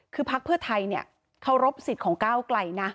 คือภักดิ์เพื่อไทยเขารบสิทธิ์ของก้าวไกลนะ